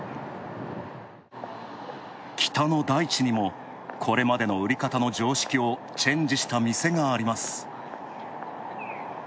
北の大地にも、これまでの売り方の常識をチェンジした店があります。